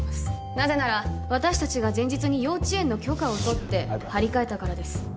なぜなら私達が前日に幼稚園の許可を取って貼り替えたからです